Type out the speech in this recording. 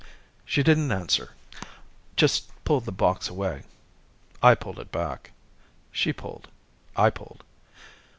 She didn't answer. Just pulled the box away. I pulled it back. She pulled. I pulled.